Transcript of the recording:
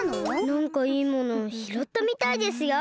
なんかいいものをひろったみたいですよ。